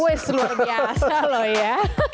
west luar biasa loh ya